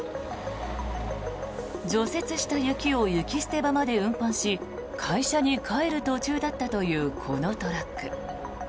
除雪した雪を雪捨て場まで運搬し会社に帰る途中だったというこのトラック。